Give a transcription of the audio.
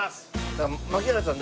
槙原さん